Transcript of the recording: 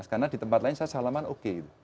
karena di tempat lain saya salaman oke